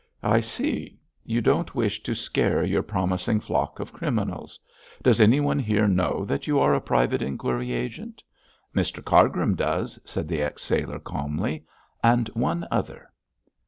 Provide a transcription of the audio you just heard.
'I see; you don't wish to scare your promising flock of criminals. Does anyone here know that you are a private inquiry agent?' 'Mr Cargrim does,' said the ex sailor, calmly, 'and one other.'